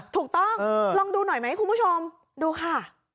ถูกต้องลองดูหน่อยไหมคุณผู้ชมดูค่ะ